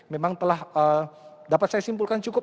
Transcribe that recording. memang telah dapat saya simpulkan cukup